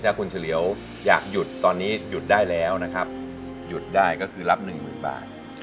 ถ้าคุณเฉลียวอยากหยุดตอนนี้หยุดได้แล้วนะครับหยุดได้ก็คือรับหนึ่งหมื่นบาท